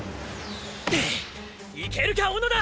いけるか小野田！！